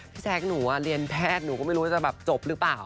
พี่แท็กหนูเรียนแพทย์หนูก็ไม่รู้จะจบหรือเปล่า